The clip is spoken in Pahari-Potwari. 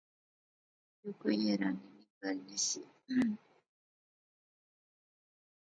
یو کوئی حیرانی نی گل نہسی